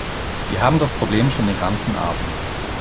Wir haben das Problem schon den ganzen Abend.